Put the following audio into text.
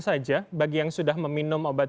saja bagi yang sudah meminum obat